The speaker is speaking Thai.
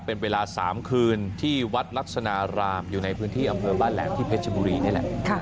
เป็นเวลา๓คืนที่วัดลักษณะรามอยู่ในพื้นที่อำเภอบ้านแหลมที่เพชรบุรีนี่แหละ